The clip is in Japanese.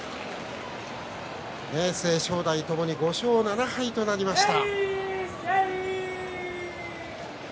明生、正代ともに５勝７敗となりました。